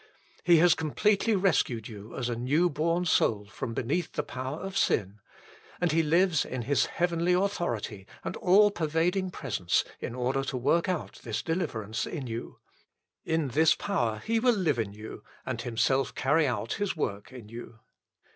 He has completely rescued you as a new born soul from beneath the power of sin ; and He lives in His heavenly authority and all pervading presence in order to work out this deliverance in you. In this power He will live in you and Himself carry out His work in you.